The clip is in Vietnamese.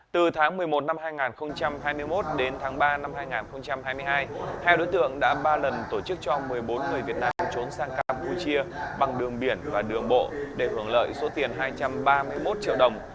từ tháng một mươi một năm hai nghìn hai mươi một đến tháng ba năm hai nghìn hai mươi hai hai đối tượng đã ba lần tổ chức cho một mươi bốn người việt nam trốn sang campuchia bằng đường biển và đường bộ để hưởng lợi số tiền hai trăm ba mươi một triệu đồng